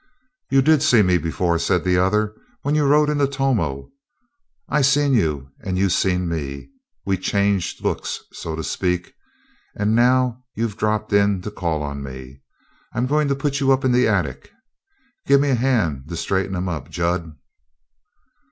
"You did see me before," said the other, "when you rode into Tomo. I seen you and you seen me. We changed looks, so to speak. And now you've dropped in to call on me. I'm goin' to put you up in the attic. Gimme a hand to straighten him up, Jud."